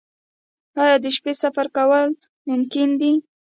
آیا د شپې سفر کول ممکن دي؟